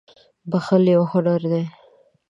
• بښل یو هنر دی.